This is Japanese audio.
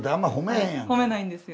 褒めないんですよ。